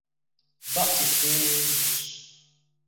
بقچی ہلتین دُوکس